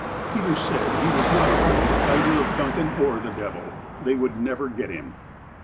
Peter said he was not afraid either of Duncan or the devil. They would never get him.